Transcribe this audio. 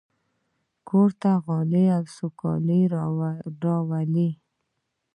کور ته غالۍ سوکالي راولي.